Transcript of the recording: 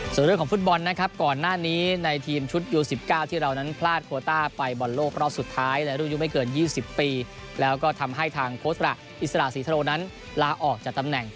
ส่วนเรื่องของฟุตบอลนะครับก่อนหน้านี้ในทีมชุดยู๑๙ที่เรานั้นพลาดโคต้าไปบอลโลกรอบสุดท้ายในรุ่นอายุไม่เกิน๒๐ปีแล้วก็ทำให้ทางโค้ชระอิสระศรีทะโลนั้นลาออกจากตำแหน่ง